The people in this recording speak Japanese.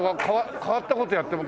変わった事やってる。